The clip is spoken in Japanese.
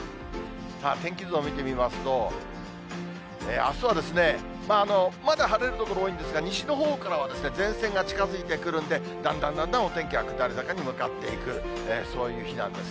さあ天気図を見てみますと、あすはまだ晴れる所、多いんですが、西のほうからは前線が近づいてくるんで、だんだんだんだんお天気は下り坂に向かっていく、そういう日なんです。